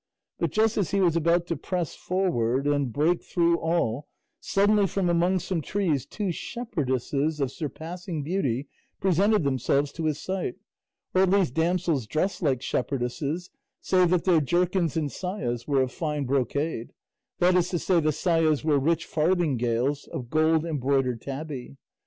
But just as he was about to press forward and break through all, suddenly from among some trees two shepherdesses of surpassing beauty presented themselves to his sight or at least damsels dressed like shepherdesses, save that their jerkins and sayas were of fine brocade; that is to say, the sayas were rich farthingales of gold embroidered tabby.